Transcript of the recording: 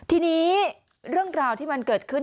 ทีนี้เรื่องราวที่มันเกิดขึ้น